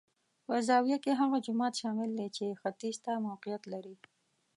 په زاویه کې هغه جومات شامل دی چې ختیځ ته موقعیت لري.